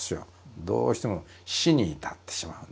どうしても死に至ってしまうんですよ。